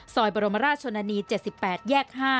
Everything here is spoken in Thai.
ซอยบรมราชชนนี๗๘แยก๕